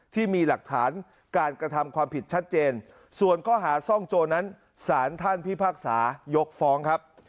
ที่มีหลักฐานการกระทำความผิดชัดเจนส่วนข้อหาซ่องโจรนั้นสารท่านพิพากษายกฟ้องครับ